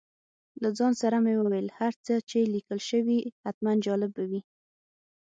له ځان سره مې وویل هر څه چې لیکل شوي حتماً جالب به وي.